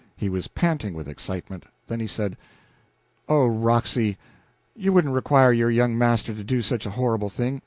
He was panting with excitement. Then he said: "Oh, Roxy, you wouldn't require your young master to do such a horrible thing.